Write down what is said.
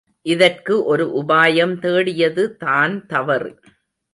இதற்கு ஒரு உபாயம் தேடியதுதான் தவறு.